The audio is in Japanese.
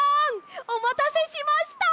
おまたせしました！